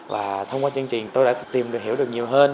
và thông qua chương trình tôi đã tìm hiểu được nhiều hơn